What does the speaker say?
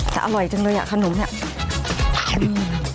แต่อร่อยจังเลยอ่ะขนมเนี่ย